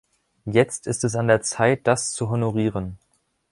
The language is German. Jetzt ist es an der Zeit, das zu honorieren.